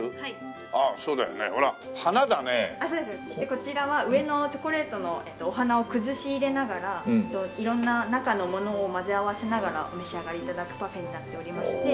こちらは上のチョコレートのお花を崩し入れながら色んな中のものを混ぜ合わせながらお召し上がり頂くパフェになっておりまして。